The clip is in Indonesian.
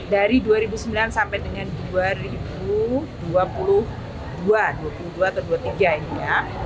dari dua ribu sembilan sampai dengan dua ribu dua puluh dua dua puluh dua atau dua puluh tiga ini ya